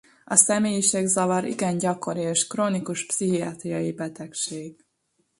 A személyiségzavar igen gyakori és krónikus pszichiátriai betegség.